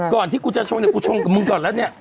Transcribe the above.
ที่กูจะชงเนี่ยกูชงกับมึงก่อนแล้วเนี่ย